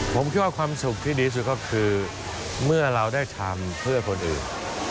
ผมคิดว่าความสุขที่ดีสุดก็คือเมื่อเราได้ทำเพื่อคนอื่น